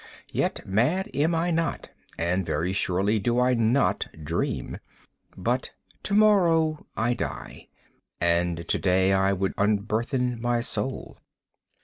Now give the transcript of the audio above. Yet, mad am I not—and very surely do I not dream. But to morrow I die, and to day I would unburthen my soul.